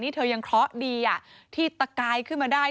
นี่เธอยังเคราะห์ดีที่ตะกายขึ้นมาได้